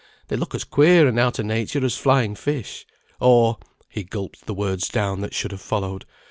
They look as queer and out o' nature as flying fish, or" he gulped the words down that should have followed.